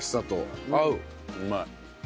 うまい。